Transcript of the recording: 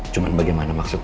cuman bagaimana maksud pak